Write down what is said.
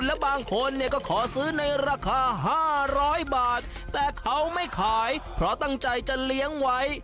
และบางคนเนี่ยก็ขอซื้อในราคา๕๐๐บาทแต่เขาไม่ขายเพราะตั้งใจจะเลี้ยงไว้